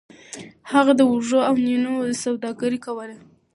هغه د وږو او نینو سوداګري کوله.